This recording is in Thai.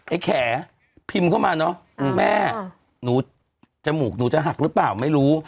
แขพิมพ์เข้ามาเนอะแม่หนูจมูกหนูจะหักหรือเปล่าไม่รู้